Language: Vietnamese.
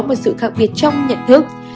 một sự khác biệt trong nhận thức